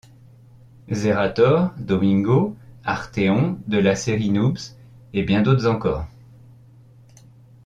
Zerator, Domingo, Arthéon de la série Noobs et bien d’autres encore.